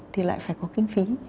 thì lại phải có kinh phí